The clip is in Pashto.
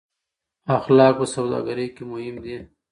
اخلاق په سوداګرۍ کې مهم دي.